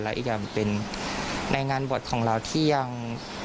และอีกอย่างเป็นในงานบวชของเราที่ยัง